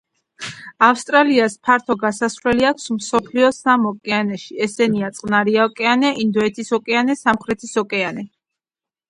ავსტრალიას ფართო გასასვლელი აქვს მსოფლიოს სამ ოკეანეში ესენია: წყნარი ოკეანე, ინდოეთის ოკეანე, სამხრეთის ოკეანე.